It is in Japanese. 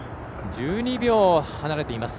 １２秒離れています。